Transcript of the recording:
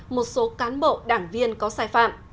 một số cán bộ đảng viên có sai phạm